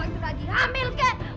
kamu itu lagi hamil kek